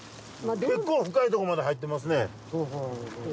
結構深いとこまで入ってますね。